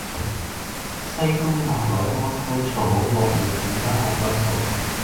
西宮南內多秋草，落葉滿階紅不掃。